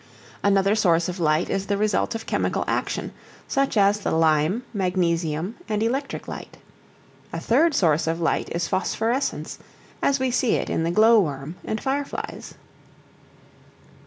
Another source of light is the result of chemical action, such as the lime, magnesium, and electric light. A third source of light is phosphorescence, as we see it in the glow worm and fireflies.